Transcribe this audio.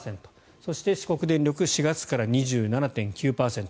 そして、四国電力４月から２７．９％